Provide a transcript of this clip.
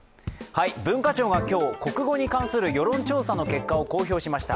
文化庁が今日、国語に関する世論調査の結果を公表しました。